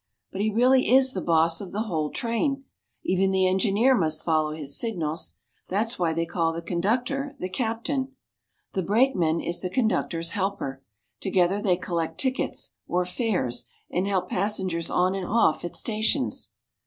But he really is the boss of the whole train. Even the engineer must follow his signals. That's why they call the conductor the Captain. The brakeman is the conductor's helper. Together they collect tickets or fares and help passengers on and off at stations.